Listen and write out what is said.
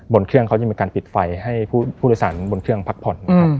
บนเครื่องเขาจะมีการปิดไฟให้ผู้โดยสารบนเครื่องพักผ่อนนะครับ